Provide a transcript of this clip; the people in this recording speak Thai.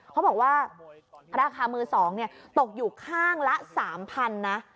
เขาบอกว่าราคามือสองเนี่ยตกอยู่ข้างละสามพันนะ